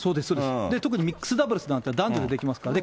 特にミックスダブルスなんていうのは、男女でできますからね。